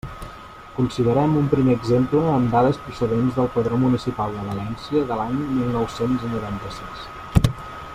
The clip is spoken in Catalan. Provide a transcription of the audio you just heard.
Considerem un primer exemple amb dades procedents del Padró Municipal de València de l'any mil nou-cents noranta-sis.